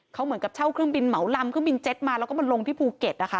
เขาเหมือนกับเช่าเครื่องบินเหมาลำเครื่องบินเจ็ตมาแล้วก็มาลงที่ภูเก็ตนะคะ